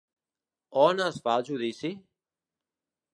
On es fa el judici?